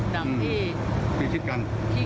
ดังที่